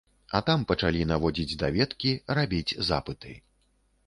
А там пачалі наводзіць даведкі, рабіць запыты.